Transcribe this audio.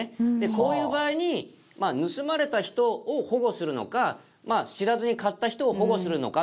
こういう場合に盗まれた人を保護するのか知らずに買った人を保護するのかと。